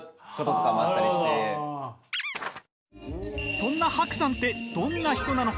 そんなＨＡＫＵさんってどんな人なのか？